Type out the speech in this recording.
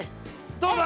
どうだ？